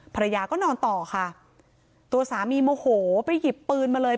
ภรรยาก็นอนต่อค่ะตัวสามีโมโหไปหยิบปืนมาเลย